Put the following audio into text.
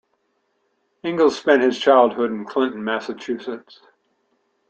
Ingalls spent his childhood in Clinton, Massachusetts.